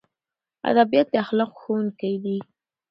ادبیات د اخلاقو ښوونکي دي.